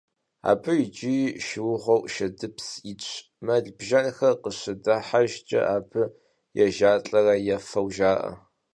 Абы иджы шыугъэу шэдыпс итщ, мэл-бжэнхэр къыщыдыхьэжкӏэ абы ежалӏэрэ ефэу жаӏэ.